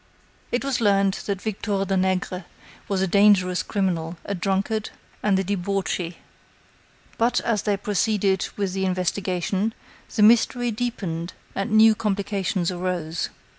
It was learned that Victor Danègre was a dangerous criminal, a drunkard and a debauchee. But, as they proceeded with the investigation, the mystery deepened and new complications arose.